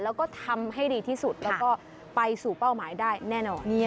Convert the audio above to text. แล้วก็ทำให้ดีที่สุดแล้วก็ไปสู่เป้าหมายได้แน่นอน